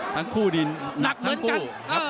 ทั้งคู่นี่หนักเหมือนกัน